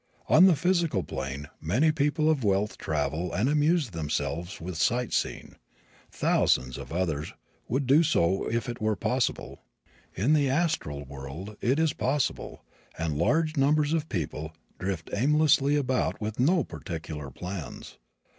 On the physical plane many people of wealth travel and amuse themselves with sight seeing. Thousands of others would do so if it were possible. In the astral world it is possible and large numbers of people drift aimlessly about with no particular plans.